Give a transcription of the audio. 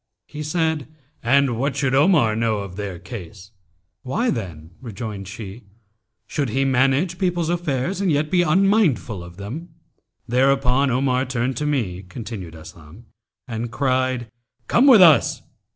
He said, 'And what should Omar know of their case?' 'Why then,' rejoined she, 'should he manage people's affairs and yet be unmindful of them?' Thereupon Omar turned to me (continned Aslam) and cried, 'Come with us!'